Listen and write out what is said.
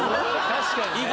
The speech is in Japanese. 確かにね。